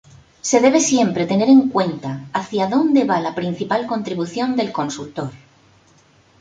Se debe siempre tener en cuenta hacia dónde va la principal contribución del consultor.